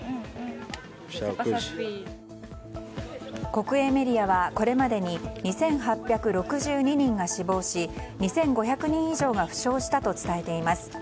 国営メディアはこれまでに２８６２人が死亡し２５００人以上が負傷したと伝えています。